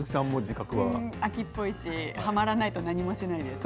飽きっぽいしはまらないと何もしないです。